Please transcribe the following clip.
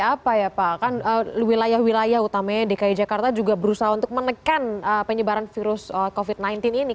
apa ya pak kan wilayah wilayah utamanya dki jakarta juga berusaha untuk menekan penyebaran virus covid sembilan belas ini